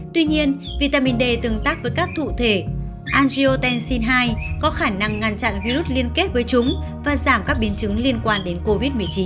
tuy nhiên vitamin d tương tác với các thủ thể angio tencin hai có khả năng ngăn chặn virus liên kết với chúng và giảm các biến chứng liên quan đến covid một mươi chín